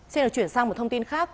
xin được chuyển sang một thông tin khác